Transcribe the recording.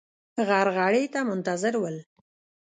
غرغړې ته منتظر ول.